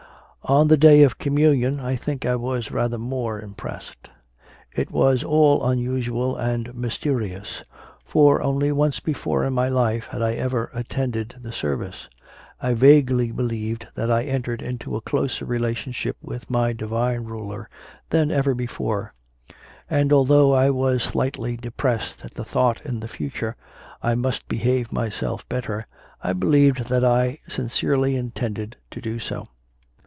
On the day of Communion I think I was rather more impressed. It was all unusual and mysteri ous; for only once before in my life had I even attended the service. I vaguely believed that I entered into a closer relationship with my Divine Ruler than ever before; and, although I was slightly CONFESSIONS OF A CONVERT 19 depressed at the thought that in future I must behave myself better, I believed that I sincerely intended to do so.